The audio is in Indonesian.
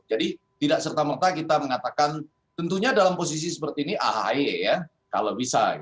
jadi tidak serta merta kita mengatakan tentunya dalam posisi seperti ini ahae ya kalau bisa